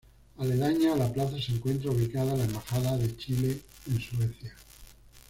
Aledaña a la plaza se encuentra ubicada la embajada de Chile en Suecia.